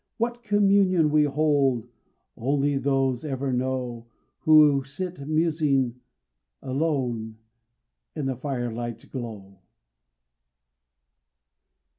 What communion we hold only those ever know Who sit musing alone in the fire light's glow.